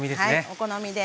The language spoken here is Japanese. お好みで。